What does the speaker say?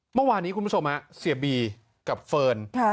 เมื่อวานนี้คุณผู้ชมฮะเสียบีกับเฟิร์น